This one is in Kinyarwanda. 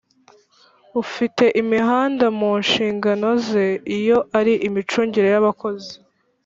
ufite imihanda mu nshingano ze iyo ari Imicungire y Abakozi